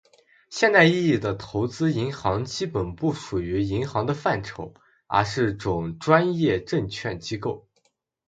现代意义的投资银行基本不属于银行的范畴，而是种专业证券机构。